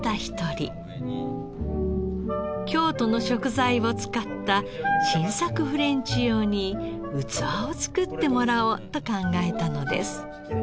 京都の食材を使った新作フレンチ用に器を作ってもらおうと考えたのです。